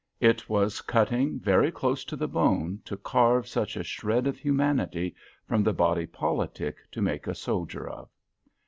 It was cutting very close to the bone to carve such a shred of humanity from the body politic to make a soldier of.